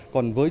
còn với trong